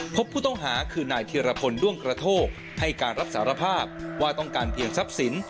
พบผู้ต้องหาคือนายธิรพลด้วงกระโทกให้การรับสารภาพว่าต้องการเพียงทรัพย์สิน